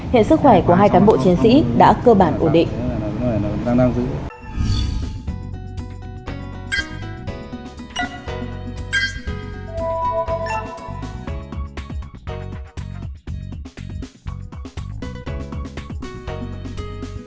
hiện sức khỏe của hai cán bộ chiến sĩ đã cơ bản ổn định